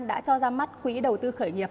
đã cho ra mắt quỹ đầu tư khởi nghiệp